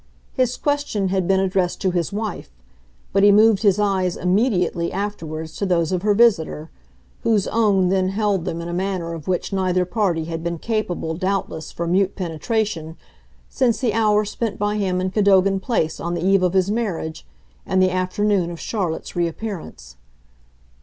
His question had been addressed to his wife, but he moved his eyes immediately afterwards to those of her visitor, whose own then held them in a manner of which neither party had been capable, doubtless, for mute penetration, since the hour spent by him in Cadogan Place on the eve of his marriage and the afternoon of Charlotte's reappearance.